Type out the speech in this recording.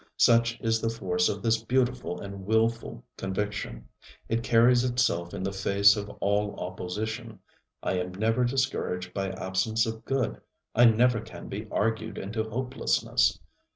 Such is the force of this beautiful and wilful conviction, it carries itself in the face of all opposition. I am never discouraged by absence of good. I never can be argued into hopelessness.